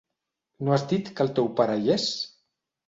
No has dit que el teu pare hi és?